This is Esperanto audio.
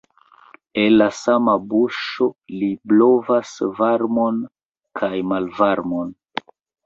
El la sama buŝo li blovas varmon kaj malvarmon.